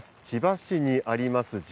千葉市にあります